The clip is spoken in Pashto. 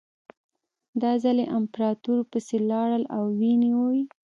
دا ځل یې امپراتور پسې لاړل او ونیو یې.